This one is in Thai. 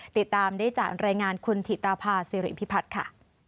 ติดตามได้จากรายงานคุณถิตาภาษิริพิพัฒน์ค่ะ